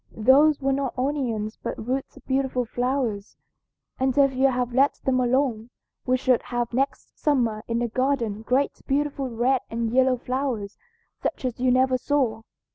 Those were not onions but roots of beautiful flowers, and if you had let them alone we should have next summer in the garden great beautiful red and yellow flowers such as you never saw.'